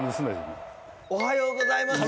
おはようございます。